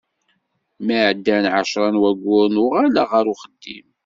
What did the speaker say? Mi ɛeddan ɛecra n wayyuren, uɣaleɣ ɣer uxeddim.